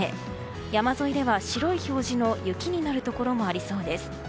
山沿いでは白い表示の雪になるところもありそうです。